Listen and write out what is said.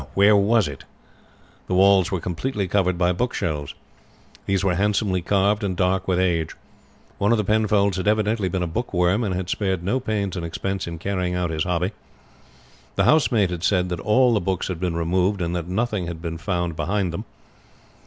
Where was it? The walls were completely covered by bookshelves. These were handsomely carved, and dark with age. One of the Penfolds had evidently been a bookworm, and had spared no pains and expense in carrying out his hobby. The housemaid had said that all the books had been removed, and that nothing had been found behind them.